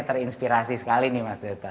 terinspirasi sekali nih mas delta